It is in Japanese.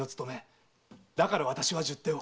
だから私は十手を。